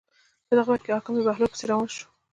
په دغه وخت کې حاکم د بهلول پسې روان شو.